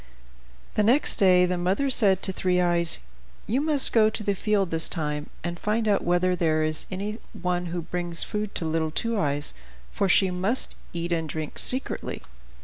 The next day the mother said to Three Eyes, "You must go to the field this time, and find out whether there is anyone who brings food to little Two Eyes; for she must eat and drink secretly."